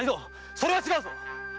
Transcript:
それは違うぞ！